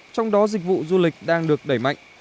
trong đó dịch vụ du lịch đang được đẩy mạnh